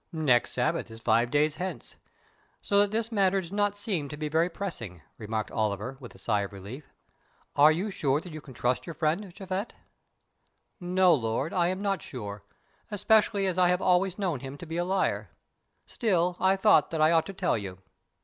"Next Sabbath is five days hence, so that this matter does not seem to be very pressing," remarked Oliver with a sigh of relief. "Are you sure that you can trust your friend, Japhet?" "No, lord, I am not sure, especially as I have always known him to be a liar. Still, I thought that I ought to tell you."